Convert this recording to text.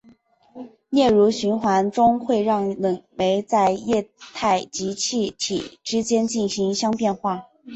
例如循环中会让冷媒在液态及气体之间进行相变化。